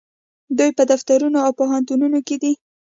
دوی په دفترونو او پوهنتونونو کې دي.